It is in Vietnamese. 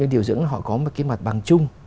điều dưỡng họ có một mặt bằng chung